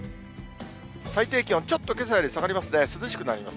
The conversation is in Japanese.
最低気温、ちょっとけさより下がりますね、涼しくなります。